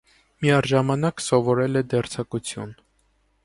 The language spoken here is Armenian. Միաժամանակ սովորել է դերձակություն։